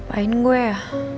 apaan gue ya